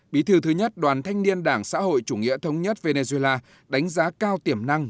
bí thư thứ nhất đoàn thanh niên đảng xã hội chủ nghĩa thống nhất venezuela đánh giá cao tiềm năng